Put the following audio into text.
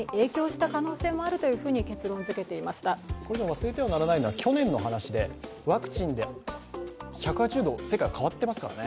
忘れてはならないのは去年の話でワクチンで１８０度世界が変わっていますからね。